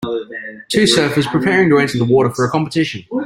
Two surfers preparing to enter the water for a competition.